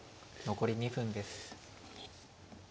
残り２分です。